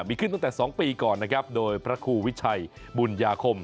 มีขึ้นตั้งแต่๒ปีก่อนนะครับโดยพระครูวิชัยบุญญาคม